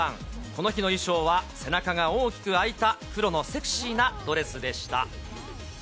この日の衣装は、背中が大きく開いた黒のセクシーなドレスでした。